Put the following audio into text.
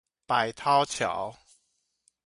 百韜橋